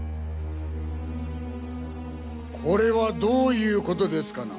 これはどういうことですかな？